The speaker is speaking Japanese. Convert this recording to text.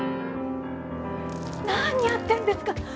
何やってるんですか？